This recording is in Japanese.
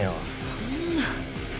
そんな。